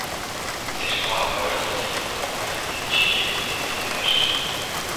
Цэрэгмаа ойр зуурын юм, хумаа янзлан ширээгээ цэмбийтэл арчив.